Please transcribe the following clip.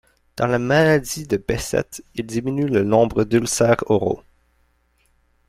Dans la maladie de Behcet, il diminue le nombre d'ulcères oraux.